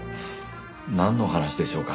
なんの話でしょうか？